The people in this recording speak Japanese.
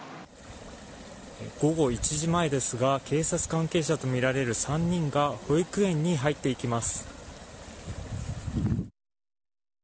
午後１時前ですが警察関係者とみられる３人が保育園に入っていきます。